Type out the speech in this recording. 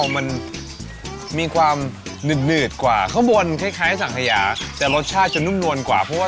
มันมีความหนืดหนืดกว่าเค้าบนคล้ายคล้ายสังทะเยาะแต่รสชาติจะนุ่มนวลกว่าเพราะ